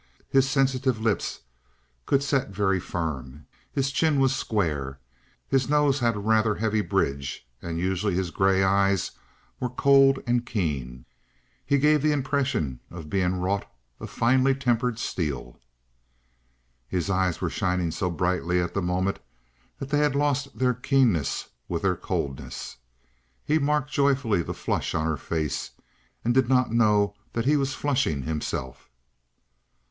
His sensitive lips could set very firm; his chin was square; his nose had a rather heavy bridge, and usually his grey eyes were cold and very keen. He gave the impression of being wrought of finely tempered steel. His eyes were shining so brightly at the moment that they had lost their keenness with their coldness. He marked joyfully the flush on her face, and did not know that he was flushing himself.